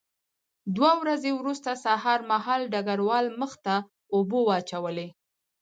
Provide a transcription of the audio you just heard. دوه ورځې وروسته سهار مهال ډګروال مخ ته اوبه واچولې